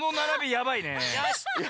やばいね。